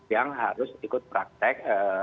yang harus ikut praktek